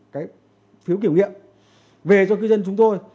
cái phiếu kiểm nghiệm về cho cư dân chúng tôi